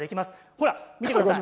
ほら見てください。